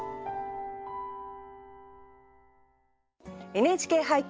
「ＮＨＫ俳句」